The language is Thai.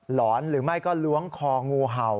หอนหรือไม่ก็ล้วงคองูเห่า